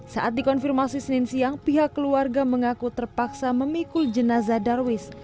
saat dikonfirmasi senin siang pihak keluarga mengaku terpaksa memikul jenazah darwis